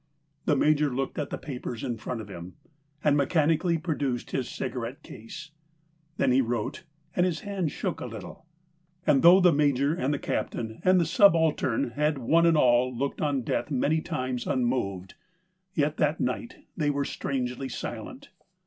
The Major looked at the papers in front of him, and mechanically produced his cigarette case. Then he wrote, and his hand shook a little. And though the Major and the Captain and the subaltern had one and all looked on death many times unmoved, yet that night they were strangely silent.